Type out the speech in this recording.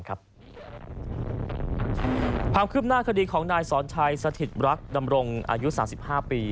ความคืบหน้าคดีของนายสอนชัยสถิตรักดำรงอายุ๓๕ปี